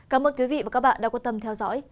cảm ơn quý vị và các bạn đã quan tâm theo dõi